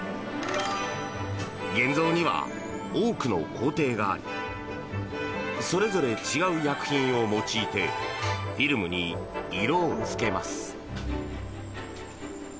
現像には多くの工程がありそれぞれ違う薬品を用いてフィルムに色をつけます。